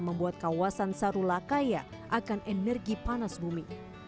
membuat kawasan sarula kaya akan energi panas bumi